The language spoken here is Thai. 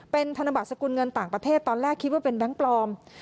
เป็นธนบัตรสกุลเงินต่างประเทศตอนแรกคิดว่าเป็นแบงค์ปลอม